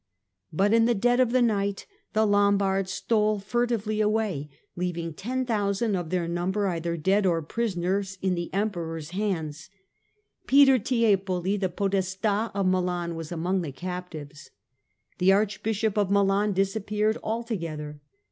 But in the dead of night the Lombards stole furtively away, leaving 10,000 of their number either dead or prisoners in the Emperor's 154 STUPOR MUNDI hands. Pieter Tiepoli, the Podesta of Milan, was among the captives. The Archbishop of Milan disappeared altogether.